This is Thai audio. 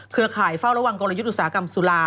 ข่ายเฝ้าระวังกลยุทธ์อุตสาหกรรมสุรา